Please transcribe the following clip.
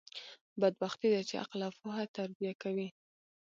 بدبختي ده، چي عقل او پوهه تربیه کوي.